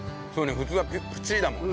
普通は「プチッ」だもんね。